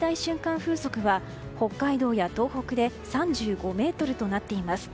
風速は北海道や東北で３５メートルとなっています。